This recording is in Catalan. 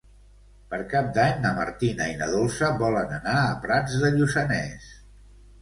Per Cap d'Any na Martina i na Dolça volen anar a Prats de Lluçanès.